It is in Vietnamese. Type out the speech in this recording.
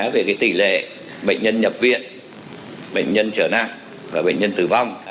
về cái tỷ lệ bệnh nhân nhập viện bệnh nhân trở năng và bệnh nhân tử vong